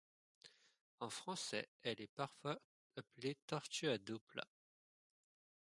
En français elle est parfois appelée Tortue à dos plat.